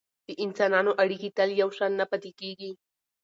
د انسانانو اړیکې تل یو شان نه پاتې کیږي.